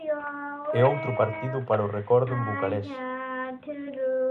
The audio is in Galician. E outro partido para o recordo en Bucarest.